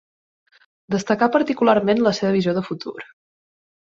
Destacà particularment la seva visió de futur.